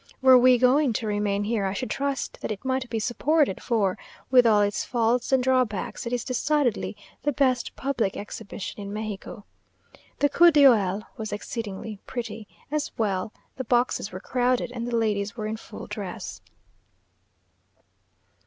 Were we going to remain here, I should trust that it might be supported, for, with all its faults and drawbacks, it is decidedly the best public exhibition in Mexico. The coup d'oeil was exceedingly pretty, as all the boxes were crowded, and the ladies were in full dress.